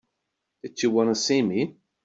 Did you want to see me?